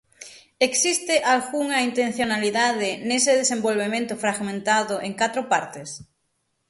Existe algunha intencionalidade nese desenvolvemento fragmentado en catro partes?